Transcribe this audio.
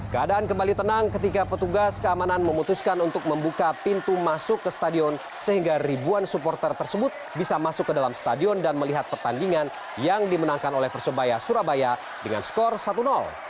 keadaan kembali tenang ketika petugas keamanan memutuskan untuk membuka pintu masuk ke stadion sehingga ribuan supporter tersebut bisa masuk ke dalam stadion dan melihat pertandingan yang dimenangkan oleh persebaya surabaya dengan skor satu